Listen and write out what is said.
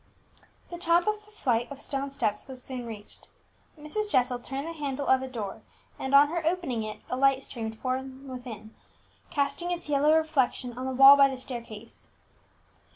The top of the flight of stone steps was soon reached; Mrs. Jessel turned the handle of a door, and on her opening it a light streamed from within, casting its yellow reflection on the wall by the staircase.